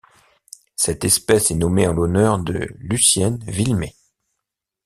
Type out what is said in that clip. Cette espèce est nommée en l'honneur de Lucienne Wilmé.